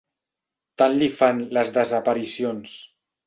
Tant li fan, les desaparicions.